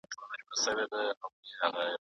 الوتکه په کراره ښکته شوه.